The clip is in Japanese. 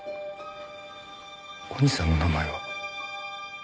お兄さんの名前は？